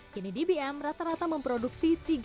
kini dbm rata rata memproduksi